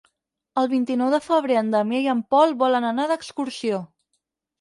El vint-i-nou de febrer en Damià i en Pol volen anar d'excursió.